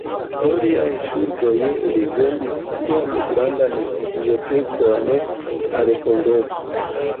Pro liaj ŝuldoj, li vendis sian grandan bibliotekon al Kongreso.